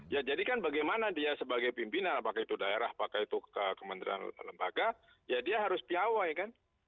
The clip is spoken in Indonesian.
ya jadi kan bagaimana dia sebagai pimpinan apakah itu daerah apakah itu kementerian lembaga ya dia harus piawai kan